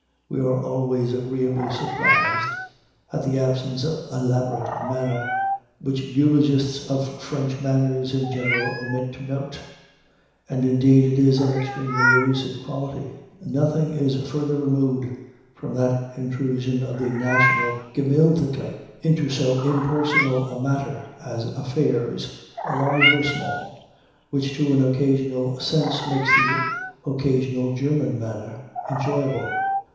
We are always agreeably surprised at the absence of elaborate manner which eulogists of French manners in general omit to note; and indeed it is an extremely elusive quality. Nothing is further removed from that intrusion of the national gemüthlichkeit into so impersonal a matter as affairs, large or small, which to an occasional sense makes the occasional German manner enjoyable.